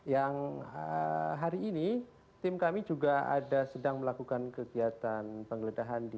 yang hari ini tim kami juga ada sedang melakukan kegiatan penggeledahan di